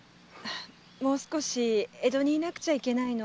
もう少し江戸にいなくちゃいけないの。